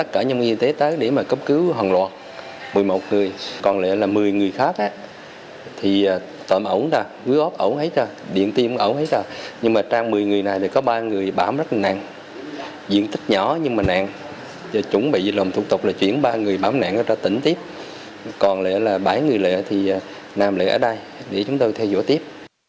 chỉ lòng thủ tục là chuyển ba người bám nạn ra tỉnh tiếp còn lại là bảy người nạn thì nằm lại ở đây để chúng tôi theo dõi tiếp